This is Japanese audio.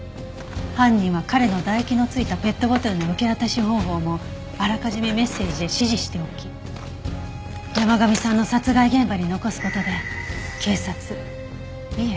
犯人は彼の唾液の付いたペットボトルの受け渡し方法もあらかじめメッセージで指示しておき山神さんの殺害現場に残す事で警察いえ